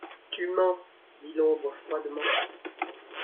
Tu mens ! dit l’ombre froidement.